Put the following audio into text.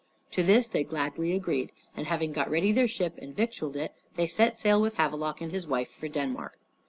To this they gladly agreed, and having got ready their ship and victualed it, they set sail with Havelok and his wife for Denmark.